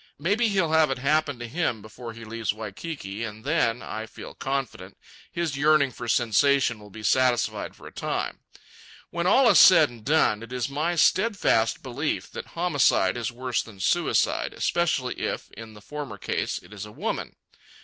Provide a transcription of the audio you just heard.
Maybe he'll have it happen to him before he leaves Waikiki, and then, I feel confident, his yearning for sensation will be satisfied for a time. When all is said and done, it is my steadfast belief that homicide is worse than suicide, especially if, in the former case, it is a woman.